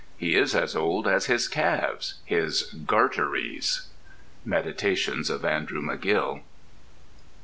He is as old as his calves—his garteries.... —Meditations of Andrew McGill.